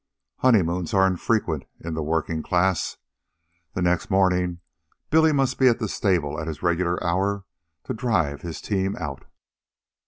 Honeymoons are infrequent in the working class. The next morning Billy must be at the stable at his regular hour to drive his team out.